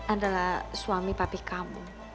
adalah suami papi kamu